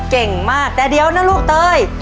เก่งมากแต่เดี๋ยวนะลูกเตย